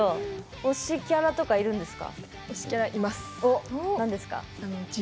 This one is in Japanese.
推しキャラとかいるんですか？